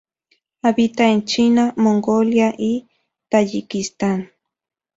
Habita en China, Mongolia, y Tayikistán.